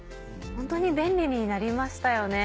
ホントに便利になりましたよね。